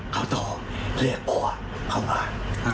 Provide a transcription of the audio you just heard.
เขาจะเรียกพ่อเข้ามา